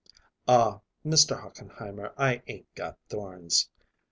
"Aw, Mr. Hochenheimer, I ain't got thorns."